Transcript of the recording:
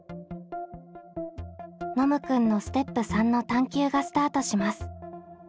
ノムくんのステップ３の探究がスタートします。